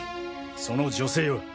その女性は。